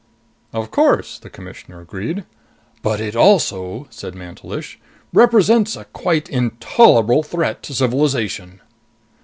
"Of course," the Commissioner agreed. "But it also," said Mantelish, "represents a quite intolerable threat to civilization."